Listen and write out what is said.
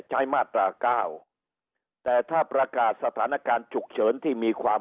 มาตราเก้าแต่ถ้าประกาศสถานการณ์ฉุกเฉินที่มีความ